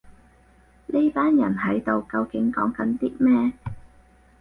呢班人喺度究竟講緊啲咩